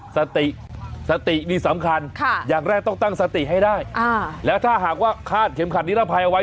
สติสตินี่สำคัญอย่างแรกต้องตั้งสติให้ได้แล้วถ้าหากว่าคาดเข็มขัดนิรภัยเอาไว้